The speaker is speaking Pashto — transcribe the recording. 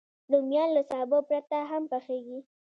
رومیان له سابه پرته هم پخېږي